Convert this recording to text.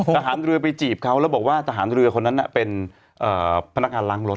ทหารเรือไปจีบเขาแล้วบอกว่าทหารเรือคนนั้นเป็นพนักงานล้างรถ